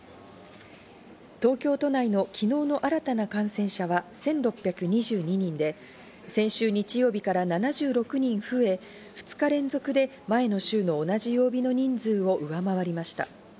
東京都内の昨日の新たな感染者は１６２２人で、先週日曜日から７６人増え、２日連続で前の週の同じ曜日の人数を上回りました。